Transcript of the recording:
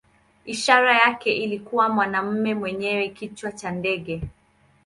Ishara yake ilikuwa mwanamume mwenye kichwa cha ndege.